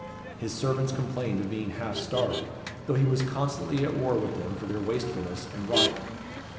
His servants complained of being half starved, though he was constantly at war with them for their wastefulness and riot.